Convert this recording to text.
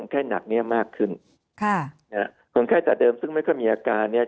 แค่หนักเนี้ยมากขึ้นค่ะนะฮะคนไข้จากเดิมซึ่งไม่ค่อยมีอาการเนี้ย